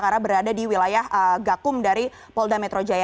karena berada di wilayah gakum dari polda metro jaya